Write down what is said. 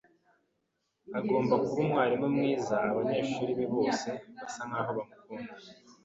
agomba kuba umwarimu mwiza. Abanyeshuri be bose basa nkaho bamukunda.